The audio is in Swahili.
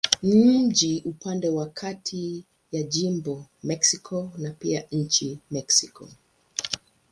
Ni mji upande wa kati ya jimbo Mexico na pia nchi Mexiko.